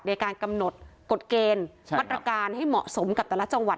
ในการกำหนดกฎเกณฑ์มาตรการให้เหมาะสมกับแต่ละจังหวัด